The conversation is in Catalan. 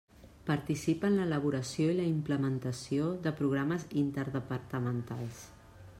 Participa en l'elaboració i la implementació de programes interdepartamentals.